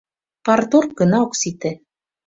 Парторг гына ок сите.